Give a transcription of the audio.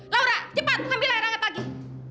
laura cepat ambil air hangat lagi